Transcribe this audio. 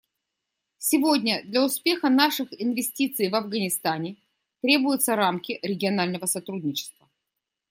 Сегодня для успеха наших инвестиций в Афганистане требуются рамки регионального сотрудничества.